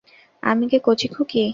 আমি কি কচি খুকি?